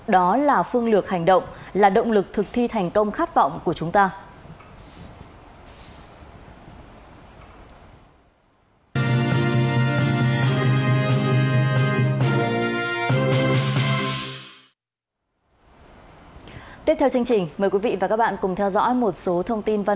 đó là phương lược hành động là động lực thực thi thành công khát vọng của chúng ta